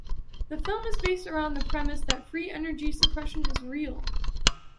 The film is based around the premise that free energy suppression is real.